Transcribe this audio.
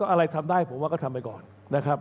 อะไรทำได้ผมว่าก็ทำไปก่อนนะครับ